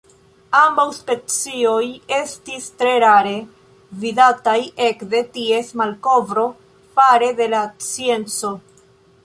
Ambaŭ specioj estis tre rare vidataj ekde ties malkovro fare de la scienco.